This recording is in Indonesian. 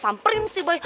samprin sih boy